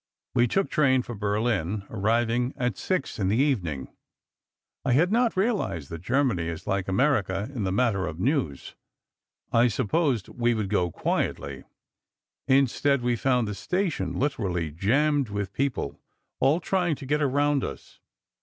We took train for Berlin, arriving at six in the evening. I had not realized that Germany is like America in the matter of news. I supposed we would go in quietly. Instead, we found the station literally jammed with people, all trying to get around us.